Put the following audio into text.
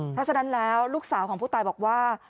เพราะฉะนั้นแล้วลูกสาวของผู้ตายบอกว่า